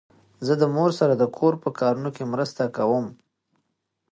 زه د مور سره د کور په کارونو کې مرسته کوم.